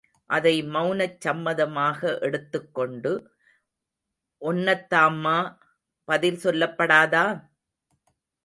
அதை மெளனச் சம்மதமாக எடுத்துக்கொண்டு, ஒன்னைத்தாம்மா... பதில் சொல்லப்படாதா?